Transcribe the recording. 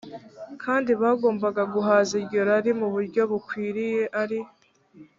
kandi bagombaga guhaza iryo rari mu buryo bukwiriye ari